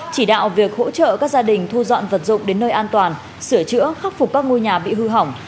chỉ đạo việc hỗ trợ các gia đình thu dọn vật dụng đến nơi an toàn sửa chữa khắc phục các ngôi nhà bị hư hỏng